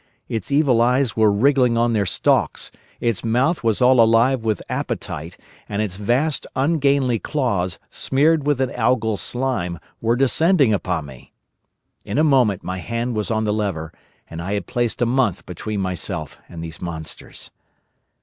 Its evil eyes were wriggling on their stalks, its mouth was all alive with appetite, and its vast ungainly claws, smeared with an algal slime, were descending upon me. In a moment my hand was on the lever, and I had placed a month between myself and these monsters.